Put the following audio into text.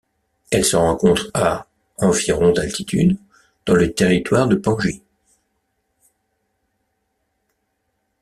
Elle se rencontre à environ d'altitude dans le territoire de Pangi.